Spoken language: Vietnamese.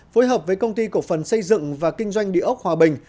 phối hợp với công ty cổ phần xây dựng và kinh doanh địa ốc hòa bình